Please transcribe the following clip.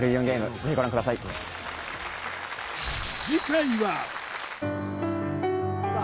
ぜひご覧くださいさあ